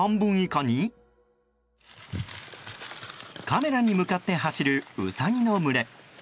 カメラに向かって走るウサギの群れ。